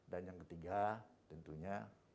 dan yang ketiga tentunya